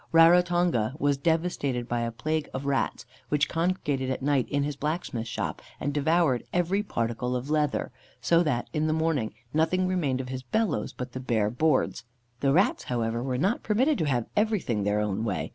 Rarotonga was devastated by a plague of rats, which congregated at night in his blacksmith's shop, and devoured every particle of leather, so that, in the morning, nothing remained of his bellows but the bare boards. The rats, however, were not permitted to have everything their own way.